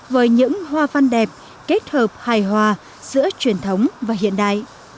với những hoa văn đẹp kết hợp hài hòa giữa truyền thống và hiện đại